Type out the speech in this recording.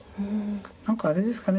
何かあれですかね